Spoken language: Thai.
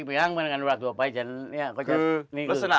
บ๊วยบ๊วยบ๊วยบ๊วยบ๊วยบ๊วยบ๊วยที่นั่งก็คือล่วงไปฮะก็เลยเอาบวงบาทนั้นมาครองของนางมณุรา